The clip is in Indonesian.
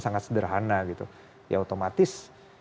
sangat sederhana gitu ya otomatis